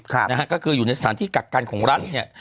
ค่ะนะฮะก็คืออยู่ในสถานที่กักกันของรัฐเนี่ย